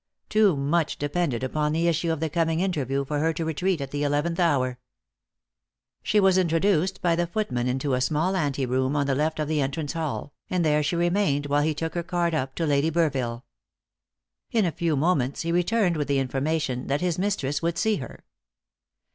Too much depended upon the issue of the coming interview for her to retreat at the eleventh hour. She was introduced by the footman into a small anteroom on the left of the entrance hall, and there she remained while he took her card up to Lady Burville. In a few moments he returned with the information that his mistress would see her.